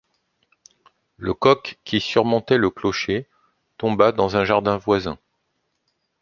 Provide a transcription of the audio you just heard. Le coq qui surmontait le clocher tomba dans un jardin voisin.